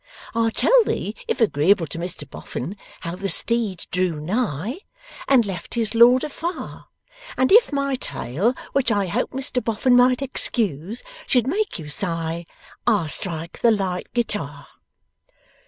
I'll tell thee (if agreeable to Mr Boffin) how the steed drew nigh, And left his lord afar; And if my tale (which I hope Mr Boffin might excuse) should make you sigh, I'll strike the light guitar."